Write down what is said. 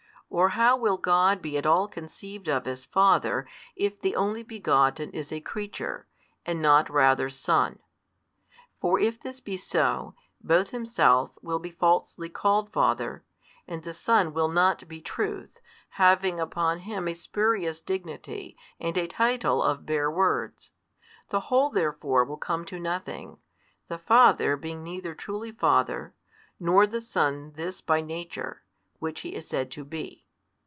Or how |137 will God be at all conceived of as Father if the Only Begotten is a creature, and not rather Son? For if this be so, both Himself will be falsely called Father, and the Son will not be Truth, having upon Him a spurious dignity, and a title of bare words. The whole therefore will come to nothing; the Father being neither truly father, nor the Son this by Nature, which He is said to be.